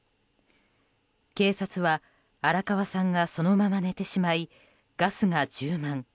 警察は、荒川さんがそのまま寝てしまいガスが充満